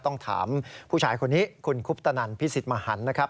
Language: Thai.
ต้องถามผู้ชายคนนี้คุณคุปตนันพิสิทธิ์มหันนะครับ